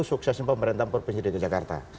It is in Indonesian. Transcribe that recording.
suksesnya pemerintahan provinsi dki jakarta